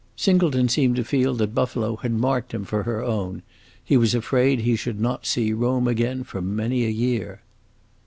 Singleton seemed to feel that Buffalo had marked him for her own; he was afraid he should not see Rome again for many a year.